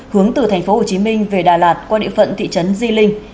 hướng từ tp hcm về đà lạt qua địa phận thị trấn di linh